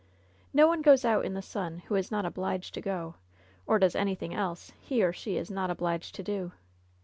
No one goes out in the sun who is not obliged to go, or does anything else he or she is not obliged to do.